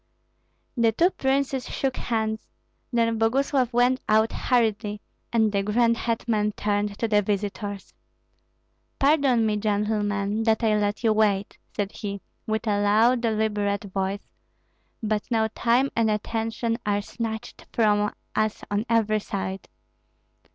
The two princes shook hands; then Boguslav went out hurriedly, and the grand hetman turned to the visitors. "Pardon me, gentlemen, that I let you wait," said he, with a low, deliberate voice; "but now time and attention are snatched from us on every side.